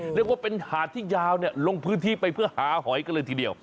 เรียกว่าเป็นหาดที่ยาวลงพื้นที่ไปเพื่อหาหอยกันเลยทีเดียว